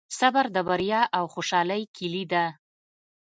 صبر د بریا او خوشحالۍ کیلي ده.